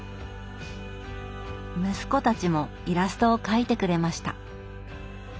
息子たちもイラストを描いてくれました。